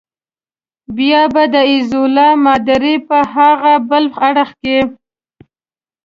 بیا به د ایزولا ماډرې په هاغه بل اړخ کې.